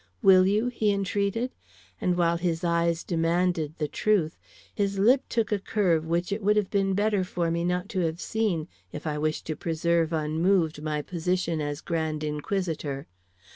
Will you?" he entreated; and while his eyes demanded the truth, his lip took a curve which it would have been better for me not to have seen if I wished to preserve unmoved my position as grand inquisitor.